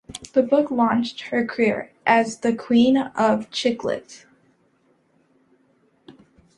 The book launched her career as "the queen of chick lit".